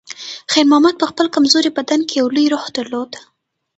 خیر محمد په خپل کمزوري بدن کې یو لوی روح درلود.